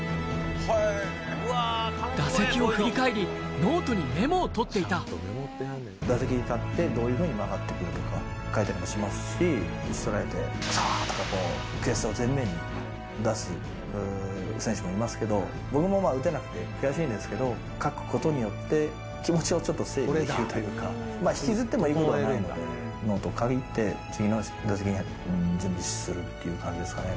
打席を振り返り、打席に立って、どういうふうに曲がってくるとか書いたりもしますし、打ち取られてくそー！とか、悔しさを前面に出す選手もいますけど、僕も打てなくて悔しいんですけど、書くことによって、気持ちをちょっと整理できるというか、引きずってもいいことはないので、ノートを書いて、次の打席に準備するっていう感じですかね。